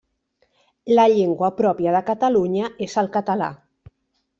La llengua pròpia de Catalunya és el català.